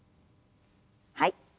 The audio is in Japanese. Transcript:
はい。